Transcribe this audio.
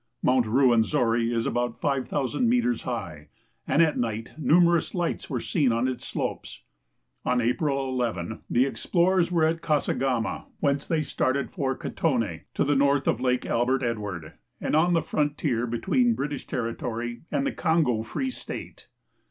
IMount Ruwenzori is about 5,000 meters high, and at night numerous lights were seen on its slopes. On April 11 the explorers were at Kasa gama, whence they started for Katone, to the north of Lake Albert Ed ward, and on the frontier between British territory and the Kongo Free State.